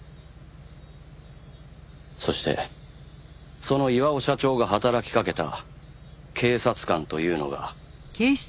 そしてその巌社長が働きかけた警察官というのが。